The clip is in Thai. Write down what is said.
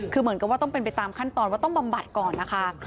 คือเหมือนกับว่าต้องเป็นไปตามขั้นตอนว่าต้องบำบัดก่อนนะคะ